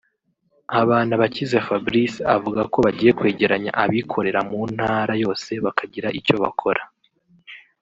Habanabakize Fabrice avuga ko bagiye kwegeranya abikorera mu ntara yose bakagira icyo bakora